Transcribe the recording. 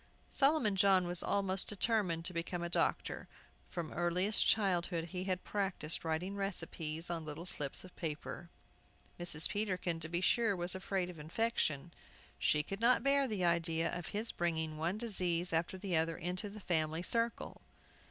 Solomon John was almost determined to become a doctor. From earliest childhood he had practiced writing recipes on little slips of paper. Mrs. Peterkin, to be sure, was afraid of infection. She could not bear the idea of his bringing one disease after the other into the family circle.